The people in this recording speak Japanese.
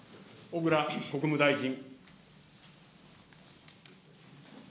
小倉国務大臣。